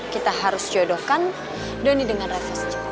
kita harus jodohkan doni dengan reva secepat mungkin